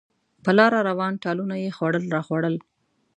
په لاره روان، ټالونه یې خوړل راخوړل.